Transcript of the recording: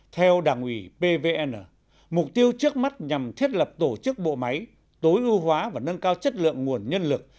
theo đảng ủy pvn mục tiêu trước mắt nhằm thiết lập tổ chức bộ máy tối ưu hóa và nâng cao chất lượng nguồn nhân lực